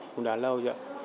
cũng đã lâu rồi